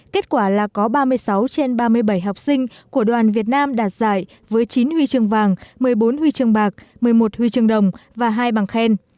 kết quả là có ba mươi sáu trên ba mươi bảy học sinh của đoàn việt nam đạt giải với chín huy chương vàng một mươi bốn huy chương bạc một mươi một huy chương đồng và hai bằng khen